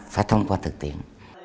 phải thông qua thực tiễn